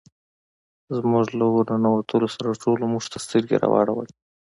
زموږ له ور ننوتلو سره ټولو موږ ته سترګې را واړولې.